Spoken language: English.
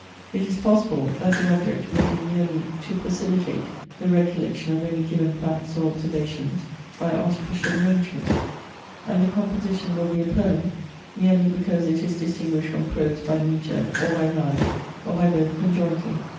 It is possible, that the object may be merely to facilitate the recollection of any given facts or observations by artificial arrangement; and the composition will be a poem, merely because it is distinguished from prose by metre, or by rhyme, or by both conjointly.